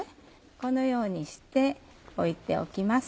このようにして置いておきます。